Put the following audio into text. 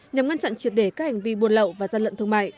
nhằm ngăn chặn triệt để các hành vi buôn lậu và gian lận thương mại